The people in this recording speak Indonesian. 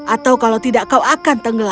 atau kalau tidak kau akan tenggelam